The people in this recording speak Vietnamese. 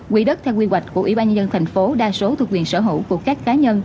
quỹ đất theo quy hoạch của ủy ban nhân dân tp đa số thuộc viện sở hữu của các cá nhân